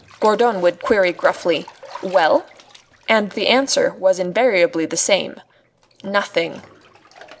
Gourdon would query gruffly: "Well?" And the answer was invariably the same: "Nothing!"